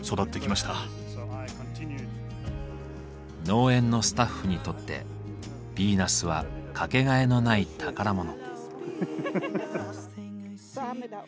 農園のスタッフにとってヴィーナスは掛けがえのない宝物。